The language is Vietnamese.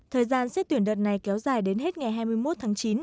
thời gian xét tuyển đợt này kéo dài đến hết ngày hai mươi một tháng chín